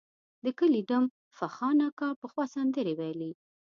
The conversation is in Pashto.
د کلي ډم فخان اکا پخوا سندرې ویلې.